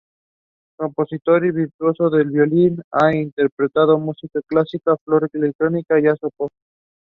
The opening is flanked by fluted pilasters with elaborately-carved capitals, supporting a flat-roofed architrave.